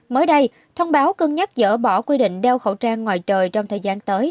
mới đây thông báo cân nhắc dỡ bỏ quy định đeo khẩu trang ngoài trời trong thời gian tới